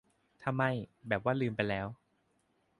ถ้าไม่ แบบว่าลืมไปแล้ว